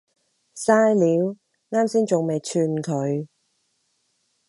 曬料，岩先仲未串佢